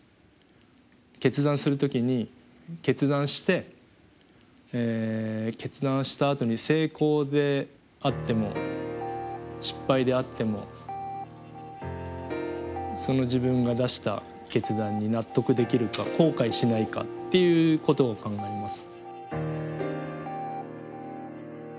決断する時に決断して決断したあとに成功であっても失敗であってもその自分が出した決断に納得できるか後悔しないかっていうことを考えます。